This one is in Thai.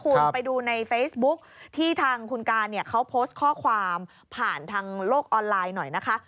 คุณไปดูในเฟซบุ๊คที่ทางคุณการเนี่ยเขาโพสต์ข้อความผ่านทางโลกออนไลน์หน่อยนะคะ